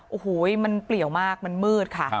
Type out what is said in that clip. โอ้โหมันเปลี่ยวมากมันมืดค่ะ